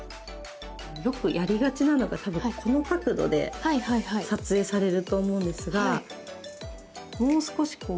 よくやりがちなのが多分、この角度で撮影されると思うんですがもう少し、こう